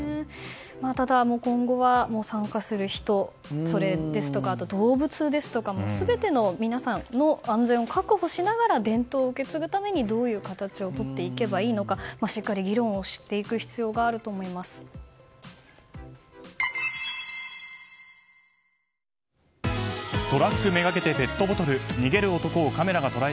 ただ、今後は参加する人ですとか動物ですとか、全ての皆さんの安全を確保しながら伝統を受け継ぐためにどういう形をとっていけばいいのかしっかり議論をしていく必要が颯という名の爽快緑茶！